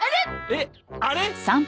えっあれ？